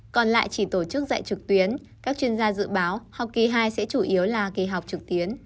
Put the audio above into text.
còn lại chỉ tổ chức dạy trực tuyến các chuyên gia dự báo học kỳ hai sẽ chủ yếu là kỳ họp trực tuyến